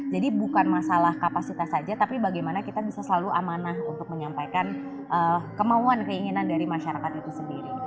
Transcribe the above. jadi bukan masalah kapasitas saja tapi bagaimana kita bisa selalu amanah untuk menyampaikan kemauan keinginan dari masyarakat itu sendiri